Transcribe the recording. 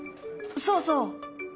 そうそう。